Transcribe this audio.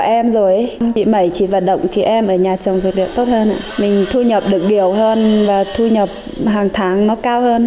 em rồi chị mẩy chị vận động thì em ở nhà trồng dược liệu tốt hơn mình thu nhập được điều hơn và thu nhập hàng tháng nó cao hơn